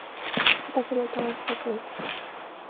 私のたわしそこ行った